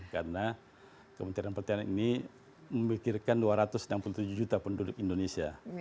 karena kementerian pertanian ini memikirkan dua ratus enam puluh tujuh juta penduduk indonesia